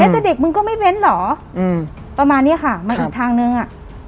แต่เด็กมึงก็ไม่เว้นเหรออืมประมาณนี้ค่ะมาอีกทางนึงอ่ะ